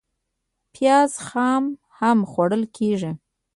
پیاز خام هم خوړل کېږي